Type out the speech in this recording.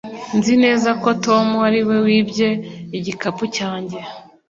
Nzi neza ko Tom ari we wibye igikapu cyanjye